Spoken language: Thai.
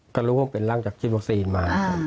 กระรูของเป็นร่างจากฉีดวัคซีนมา